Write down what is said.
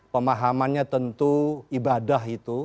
pemahamannya tentu ibadah itu